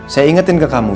saya ingetin ke kamu